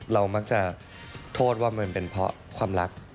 เรามักจะโทษว่ามันเป็นเพราะความรัก